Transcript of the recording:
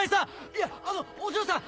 いやあのお嬢さん！